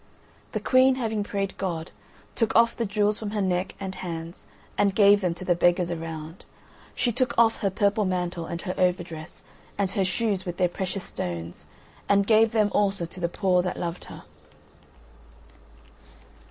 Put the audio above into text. The Queen having prayed God, took off the jewels from her neck and hands, and gave them to the beggars around; she took off her purple mantle, and her overdress, and her shoes with their precious stones, and gave them also to the poor that loved her.